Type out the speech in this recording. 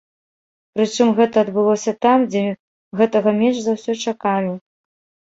Прычым гэта адбылося там, дзе гэтага менш за ўсё чакалі.